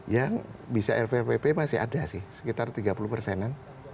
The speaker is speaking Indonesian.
yang bisa lprpp masih ada sih sekitar tiga puluh persenan